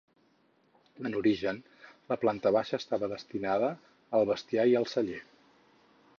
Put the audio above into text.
En origen, la planta baixa estava destinada al bestiar i als cellers.